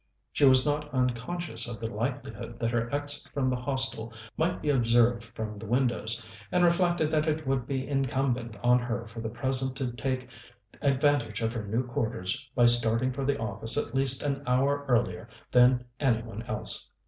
She was not unconscious of the likelihood that her exit from the Hostel might be observed from the windows, and reflected that it would be incumbent on her for the present to take advantage of her new quarters by starting for the office at least an hour earlier than any one else.